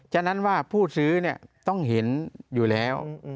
ฉะนั้นว่าผู้ซื้อต้องเห็นอยู่แล้ว